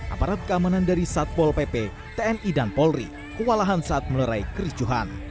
aparat keamanan dari satpol pp tni dan polri kewalahan saat melerai kericuhan